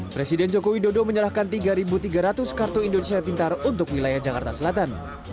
presiden joko widodo menyerahkan tiga tiga ratus kartu indonesia pintar untuk wilayah jakarta selatan